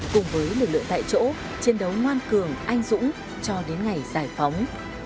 cùng với lực lượng tại chỗ chiến đấu ngoan cường anh dũng cho đến ngày giải phóng